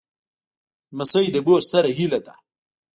لمسی د مور ستره هيله ده.